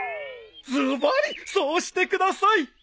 ズバリそうしてください。